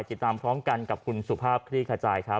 ติดตามพร้อมกันกับคุณสุภาพคลี่ขจายครับ